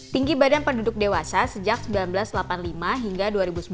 tinggi badan penduduk dewasa sejak seribu sembilan ratus delapan puluh lima hingga dua ribu sembilan